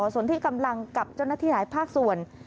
ส่วนที่กำลังกับเจ้าหน้าที่หลายภาคส่วน